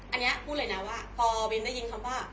อันนี้พูดเลยนะว่าพอบินได้ยินคำว่า